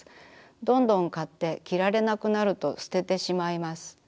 どんどん買って着られなくなると捨ててしまいます。